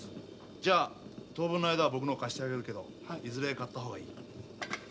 じゃ当分の間は僕のを貸してあげるけどいずれ買った方がいい。